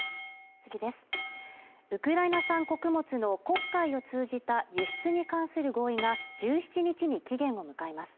ウクライナ産穀物の黒海を通じた輸出に関する合意が１７日に期限を迎えます。